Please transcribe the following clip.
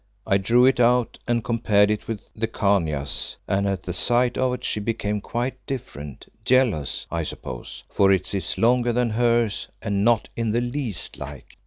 "I drew it out and compared it with the Khania's, and at the sight of it she became quite different, jealous, I suppose, for it is longer than hers, and not in the least like.